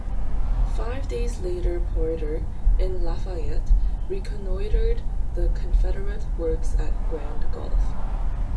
Five days later Porter, in "Lafayette", reconnoitered the Confederate works at Grand Gulf.